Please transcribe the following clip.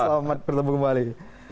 selamat bertemu kembali